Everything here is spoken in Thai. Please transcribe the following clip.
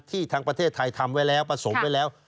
ทางประเทศไทยทำไว้แล้วผสมไว้แล้ว